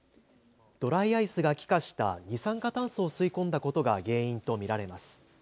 ドライアイスが気化した二酸化炭素を吸い込んだことが原因と見られます。